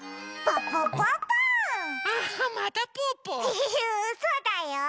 フフフそうだよ！